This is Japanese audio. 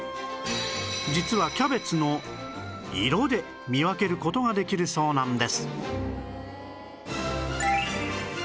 実はキャベツの色で見分ける事ができるそうなんです